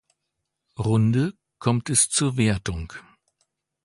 Runde kommt es zur Wertung.